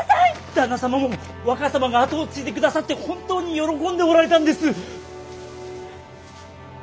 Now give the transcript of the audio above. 旦那様も若様が跡を継いでくださって本当に喜んでおられたんです。